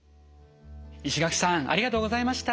石垣さんありがとうございました。